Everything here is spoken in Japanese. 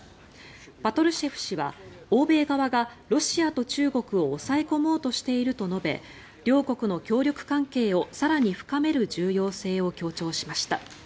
パトルシェフ氏は欧米側がロシアと中国を抑え込もうとしていると述べ両国の協力関係を更に深める重要性を強調しました。